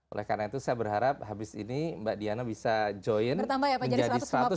oleh karena itu saya berharap habis ini mbak diana bisa join menjadi satu ratus lima puluh ribu satu